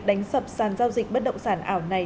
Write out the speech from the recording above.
đánh sập sàn giao dịch bất động sản ảo này